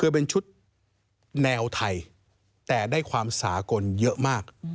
คือเป็นชุดแนวไทยแต่ได้ความสากลเยอะมาก